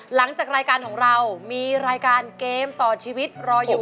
หลังจากรายการของเรามีรายการเกมต่อชีวิตรออยู่